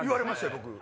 僕。